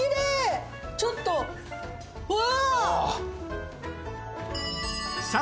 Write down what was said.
ちょっとうわ！